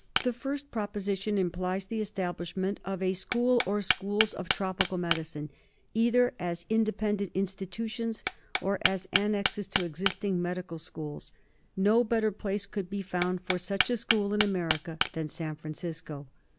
The first proposition implies the establishment of a school or schools of tropical medicine, either as in dependent institutions or as annexes to existing medical schools. No better place could be found for such a school in America than San Francisco.